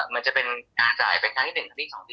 มันจะเป็นการจ่ายด้านหนึ่งหนึ่งที่๓ด้านที่๓